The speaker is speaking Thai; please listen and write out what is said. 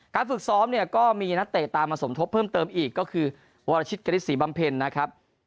ฝึกซ้อมเนี่ยก็มีนักเตะตามมาสมทบเพิ่มเติมอีกก็คือวรชิตกฤษศรีบำเพ็ญนะครับ